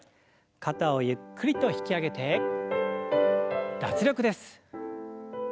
肩をゆっくりと引き上げて脱力です。